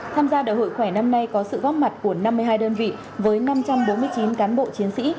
tham gia đại hội khỏe năm nay có sự góp mặt của năm mươi hai đơn vị với năm trăm bốn mươi chín cán bộ chiến sĩ